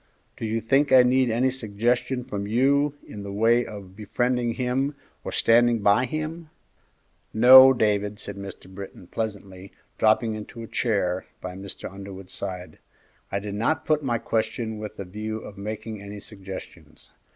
Do you think I need any suggestion from you in the way of befriending him or standing by him?" "No, Dave," said Mr. Britton, pleasantly, dropping into a chair by Mr. Underwood's side, "I did not put my question with a view of making any suggestions.